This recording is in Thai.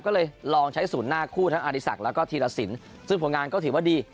ก็เลยลองใช้ศูนย์หน้าคู่ทั้งอดีศักดิ์แล้วก็ธีรสินซึ่งผลงานก็ถือว่าดี